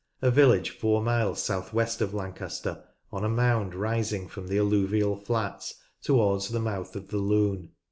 A village four miles south west of Lancaster, on a mound rising from the alluvial flats towards the mouth ot the Lune.